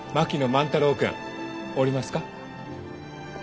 万太郎君おりますか？